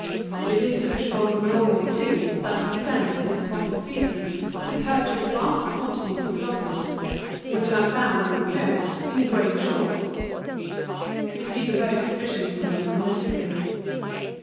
It is to the shores of Norway too, that we send in the proper season to purchase vast quantities of lobsters, which are found on the coast, in great shoals ; you see the boats fishing for them in the distance.